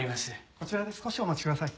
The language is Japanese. こちらで少しお待ちください。